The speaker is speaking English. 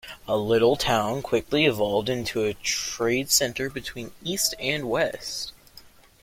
The little town quickly evolved into a trade center between east and west.